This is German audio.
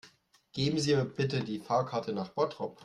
Geben Sie mir bitte die Fahrkarte nach Bottrop